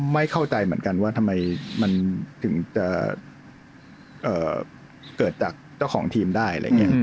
ไม่เข้าใจเหมือนกันว่าทำไมมันถึงจะเกิดจากเจ้าของทีมได้อะไรอย่างนี้